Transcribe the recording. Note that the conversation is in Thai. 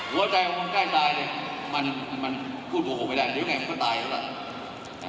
หัวใจของคนใกล้ตายเนี่ยมันพูดโกหกไม่ได้เดี๋ยวไงมันก็ตายแล้วล่ะ